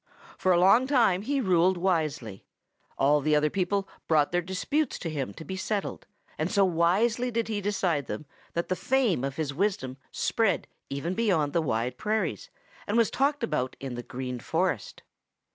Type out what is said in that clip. "For a long time he ruled wisely. All the other people brought their disputes to him to be settled, and so wisely did he decide them that the fame of his wisdom spread even beyond the Wide Prairies and was talked about in the Green Forest.